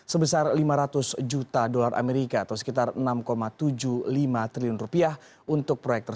sebesar lima ratus juta dolar amerika atau sekitar enam tujuh puluh lima juta dolar